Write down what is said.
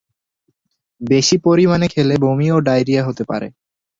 বেশি পরিমানে খেলে বমি ও ডায়রিয়া হতে পারে।